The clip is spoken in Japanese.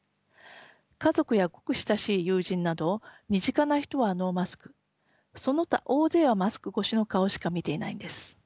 家族やごく親しい友人など身近な人はノーマスクその他大勢はマスク越しの顔しか見ていないんです。